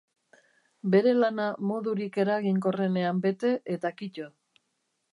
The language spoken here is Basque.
Bere lana modurik eraginkorrenean bete eta kito.